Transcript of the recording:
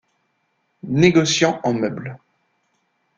Négociant en meubles.